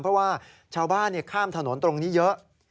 เพราะว่าชาวบ้านข้ามถนนตรงนี้เยอะ